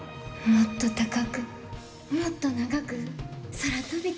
もっと高く、もっと長く空飛びたい。